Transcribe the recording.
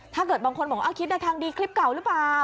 บางคนบอกว่าคิดในทางดีคลิปเก่าหรือเปล่า